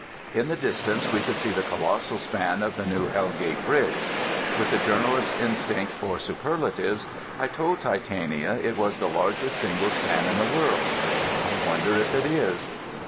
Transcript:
In the distance we could see the colossal span of the new Hell Gate bridge. With the journalist's instinct for superlatives I told Titania it was the largest single span in the world. I wonder if it is?